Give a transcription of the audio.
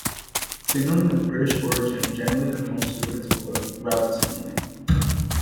Signalling of British origin generally conforms to the principle of "route signalling".